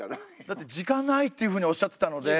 だって時間ないっていうふうにおっしゃってたので。